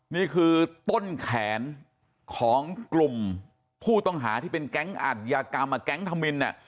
นี่คือต้นแขนของกลุ่มผู้ต้องหาที่เป็นแก๊งอัดยากรรมแก๊งธมิน